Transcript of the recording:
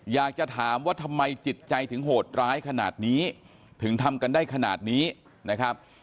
อยากจะถามว่าทำไมจิตใจถึงโหดร้ายขนาดนี้ถึงทำกันได้ขนาดนี้นะครับ